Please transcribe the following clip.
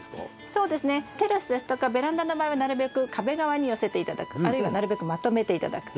そうですねテラスですとかベランダの場合はなるべく壁側に寄せて頂くあるいはなるべくまとめて頂く。